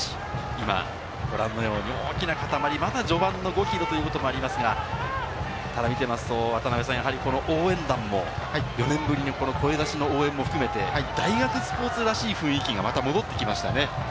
今、ご覧のように大きなかたまり、まだ序盤の５ｋｍということもありますが、見ていますと、応援団も４年ぶりの声出しの応援も含めて、大学スポーツらしい雰囲気がまた戻ってきましたね。